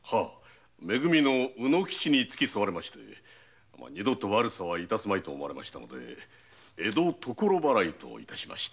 「め組」の卯之吉に付き添われて二度と悪さは致すまいと思いましたので江戸処払いと致しました。